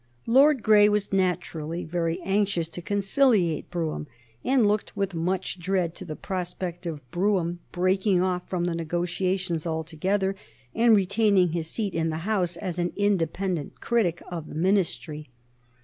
Lord Grey was naturally very anxious to conciliate Brougham, and looked with much dread to the prospect of Brougham breaking off from the negotiations altogether and retaining his seat in the House as an independent critic of the Ministry.